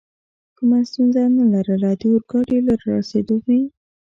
کومه ستونزه نه لرله، د اورګاډي له رارسېدو مې.